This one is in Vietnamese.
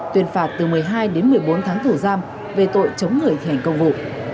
tuyên phạt từ một mươi hai đến một mươi bốn tháng thủ giam về tội chống người thi hành công vụ